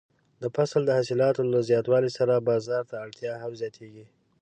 د فصل د حاصلاتو له زیاتوالي سره بازار ته اړتیا هم زیاتیږي.